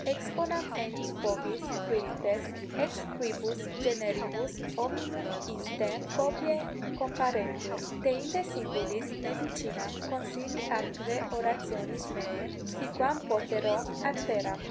Exponam enim vobis, Quirites, ex quibus generibus hominum istae copiae comparentur; deinde singulis medicinam consilii atque orationis meae, si quam potero, adferam.